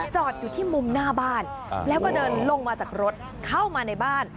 จอดอยู่ที่มุมหน้าบ้านแล้วก็เดินลงมาจากรถเข้ามาในบ้าน